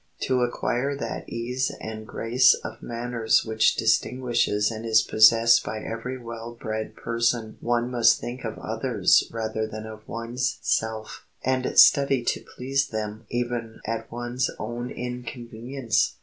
To acquire that ease and grace of manners which distinguishes and is possessed by every well bred person one must think of others rather than of one's self, and study to please them even at one's own inconvenience.